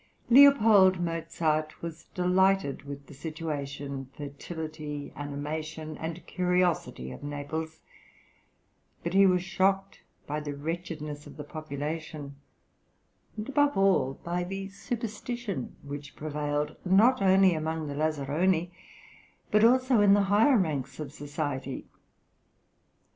L. Mozart was delighted with the situation, fertility, animation, and curiosity of Naples; but he was shocked by the wretchedness of the population, and above all by the superstition which prevailed not only among the lazaroni, but also in the higher ranks of society.